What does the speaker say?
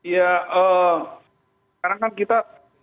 ya sekarang kan kita